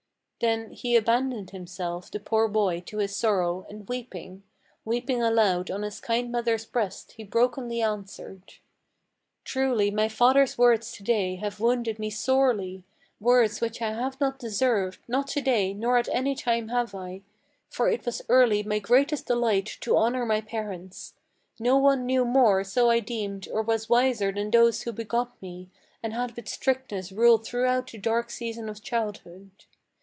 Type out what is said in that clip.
Then he abandoned himself, the poor boy, to his sorrow, and weeping, Weeping aloud on his kind mother's breast, he brokenly answered: "Truly my father's words to day have wounded me sorely, Words which I have not deserved; not to day, nor at any time have I: For it was early my greatest delight to honor my parents. No one knew more, so I deemed, or was wiser than those who begot me, And had with strictness ruled throughout the dark season of childhood.